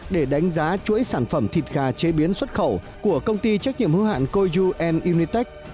để đánh giá chuỗi sản phẩm thịt gà chế biến xuất khẩu của công ty trách nhiệm hưu hạn koyu unitec